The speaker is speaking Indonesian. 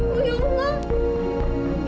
ibu ya allah